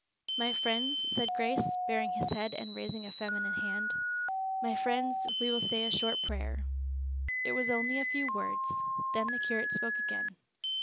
"My friends," said Grace, baring his head and raising a feminine hand, "My friends, we will say a short prayer." It was only a few words. Then the curate spoke again.